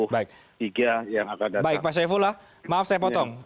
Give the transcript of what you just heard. baik pak saifullah maaf saya potong